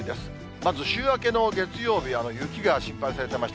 まず週明けの月曜日、雪が心配されてました。